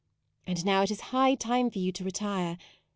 And now it is high time for you to retire.